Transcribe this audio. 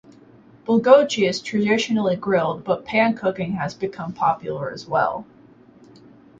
"Bulgogi" is traditionally grilled, but pan-cooking has become popular as well.